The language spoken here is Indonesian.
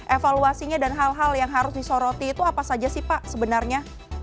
evaluasinya dan hal hal yang harus disoroti itu apa saja sih pak sebenarnya